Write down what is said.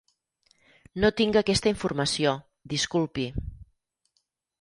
No tinc aquesta informació, disculpi.